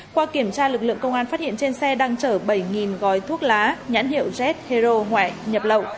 qua kiểm tra lực lượng công an phát hiện trên xe đang chở bảy gói thuốc lá nhãn hiệu jet hero ngoại nhập lậu